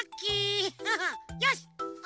よし！